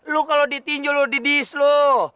lu kalau ditinjau lu di dis lu